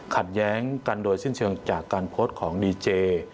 ขัดแย้งกันโดยสิ้นเชิงจากการโพสต์ของดีเจ